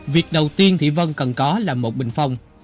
việc đầu tiên thị vân cần có là một bình phong